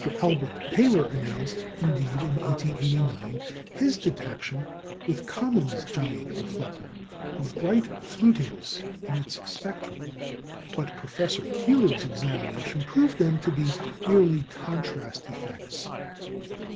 Albert Taylor announced, indeed, in 1889, his detection, with Common's giant reflector, of bright flutings in its spectrum; but Professor Keeler's examination proved them to be merely contrast effects.